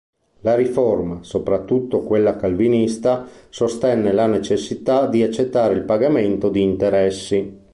La Riforma, soprattutto quella calvinista, sostenne la necessità di accettare il pagamento di interessi.